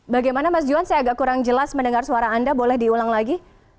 bagaimana mas johan saya agak kurang jelas mendengar suara anda boleh diulang lagi